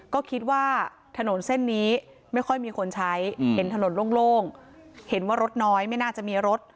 ก็คิดว่าถนนเส้นนี้ไม่ค่อยมีคนใช้เห็นถนนโล่งเห็นว่ารถน้อยไม่น่าจะมีรถ